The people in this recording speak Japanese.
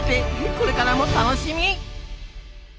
これからも楽しみ！